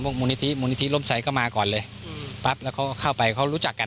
พวกมูลิธิมูลิธิล้มใสก็มาก่อนเลยอืมปั๊บแล้วเขาเข้าไปเขารู้จักกัน